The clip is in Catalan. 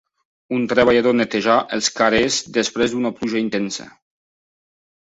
Un treballador netejar els carrers després d'una pluja intensa.